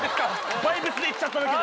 バイブスで言っちゃっただけで。